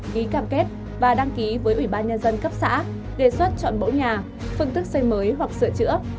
ghi cam kết và đăng ký với ủy ban nhân dân cấp xã đề xuất chọn bổ nhà phương tức xây mới hoặc sửa chữa